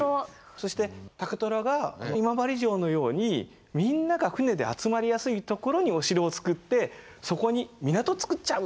そして高虎が今治城のようにみんなが船で集まりやすい所にお城を造ってそこに港を造っちゃう。